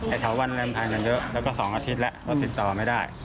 ไอ้เฉาวันมันพันกันเยอะแล้วก็สองอาทิตย์แล้วก็ติดต่อไม่ได้